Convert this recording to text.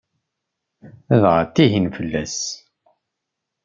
Dɣa ttihin fell-as.